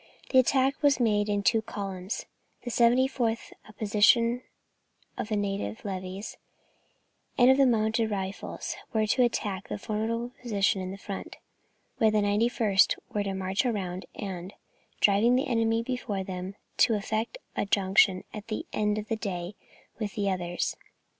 The attack was made in two columns; the 74th, a portion of the native levies, and of the Mounted Rifles, were to attack a formidable position in front, while the 91st were to march round, and, driving the enemy before them, to effect a junction at the end of the day with the others.